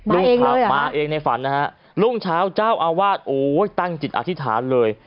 ขับมาเองในฝันนะฮะรุ่งเช้าเจ้าอาวาสโอ้ยตั้งจิตอธิษฐานเลย